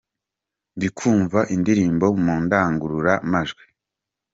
Ndikumva indirimbo mu ndangurura majwi.